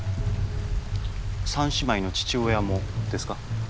３姉妹の父親もですか？